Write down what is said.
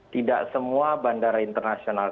tidak semua bandara internasional